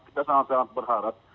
kita sangat sangat berharap